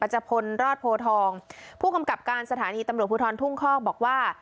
จพลรอดโพทองผู้กำกับการสถานีตำรวจภูทรทุ่งคอกบอกว่า